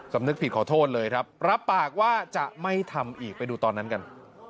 สำนึกผิดขอโทษเลยครับรับปากว่าจะไม่ทำอีกไปดูตอนนั้นกัน